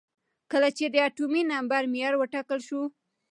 کله چې اتومي نمبر معیار وټاکل شو.